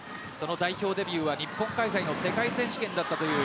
代表デビューは、日本開催の世界選手権だったという